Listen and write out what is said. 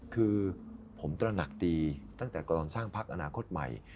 คือผมตระหนักดีตั้งแต่ก่อนสร้างพักอนาคตใหม่